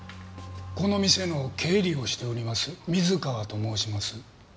この店の経理をしております水川と申します。